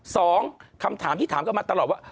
สองคำถามที่ถามกันมาตลอดว่า